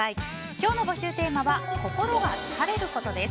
今日の募集テーマは心が疲れることです。